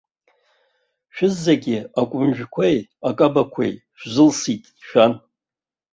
Шәызегьы акәымжәқәеи акабақәеи шәзылсит шәан.